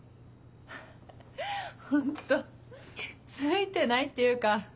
フッフホントツイてないっていうか。